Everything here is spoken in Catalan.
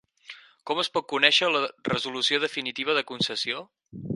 Com es pot conèixer la Resolució definitiva de concessió?